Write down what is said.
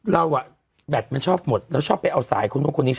เราอ่ะแบตมันชอบหมดเราชอบไปเอาสายคนนู้นคนนี้ชอบ